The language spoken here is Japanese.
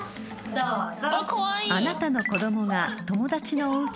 どうぞ。